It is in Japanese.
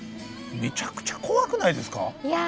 めちゃくちゃ怖くないですか？